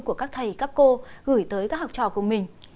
của các thầy các cô gửi tới các học trò của mình